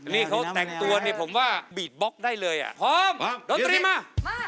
นี่เขาแตกตัวผมว่าเปี๊ดบ๊อกได้เลยอ่ะพร้อมรถตรีมา